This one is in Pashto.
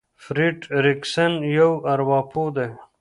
فرېډ ريکسن يو ارواپوه دی.